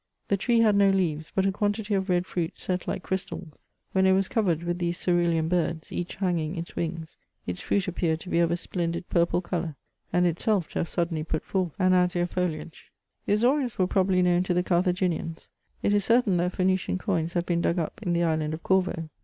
The tree had no leaves, but a quantity of red fruit set like crystals ; when it was covered with these cerulean birds, each hanging its wings, its fruit appeared to be of a splen did purple colour, and itself to have suddenly put forth an azure foliage. The Azores were probably known to the Carthaginians ; it is certain that Phenician coins have been dug up in the island of Corvo.